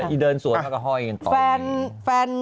อีเดินสวนเฮ้ากะห้อยกันต่อไป